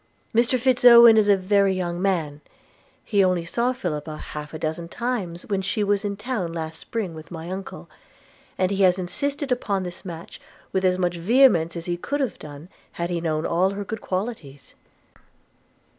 Mr Fitz Owen is a very young man: he only saw Philippa half a dozen times when she was in town last spring with my uncle; and he has insisted upon this match with as much vehemence as he could have done, had he known all her good qualities.'